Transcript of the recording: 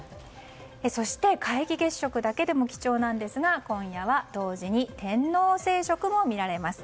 そして、皆既月食だけでも貴重なんですが今夜は同時に天王星食も見られます。